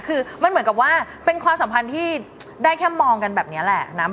คือมันเหมือนกับว่าเป็นความสัมพันธ์ที่ได้แค่มองกันแบบนี้แหละนะ